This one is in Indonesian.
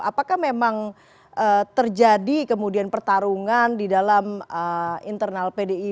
apakah memang terjadi kemudian pertarungan di dalam internal pdip